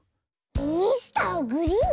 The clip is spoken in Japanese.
ミスターグリーン⁉